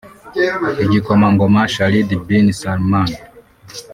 Igikomangoma Khalid Bin Salman